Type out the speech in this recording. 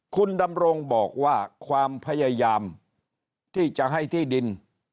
คุณดำรงบอกว่าความพยายามที่จะให้ที่ดิน